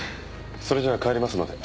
それじゃあ帰りますので。